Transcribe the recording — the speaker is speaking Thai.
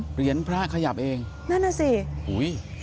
เหรียญพระขยับเองนั่นน่ะสิอุ้ย